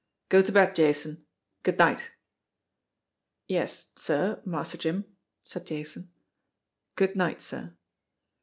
"Go to bed, Jason ! Good night !" "Yes, sir, Master Jim," said Jason. "Good night, sir."